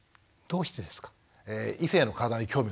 どうしてですか？